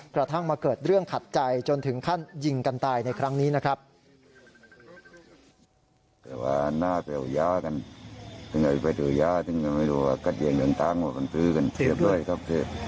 กระทั่งมาเกิดเรื่องขัดใจจนถึงขั้นยิงกันตายในครั้งนี้นะครับ